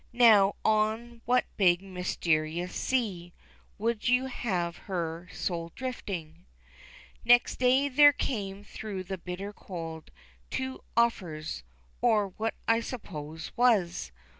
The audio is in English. Now on what big mysterious sea Would you have her soul drifting. Next day there came through the bitter cold Two offers, or what I suppose was.